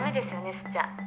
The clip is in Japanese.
吸っちゃ」